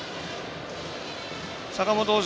坂本捕手